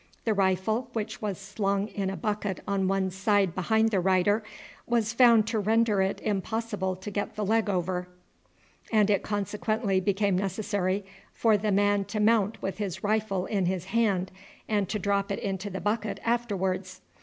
The rifle, which was slung in a bucket on one side behind the rider, was found to render it impossible to get the leg over, and it consequently became necessary for the man to mount with his rifle in his hand, and to drop it into the bucket afterwards.